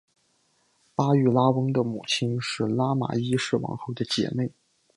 巴育拉翁的母亲是拉玛一世王后的姐妹。